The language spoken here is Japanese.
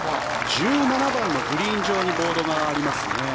１７番のグリーン上にボードがありますね。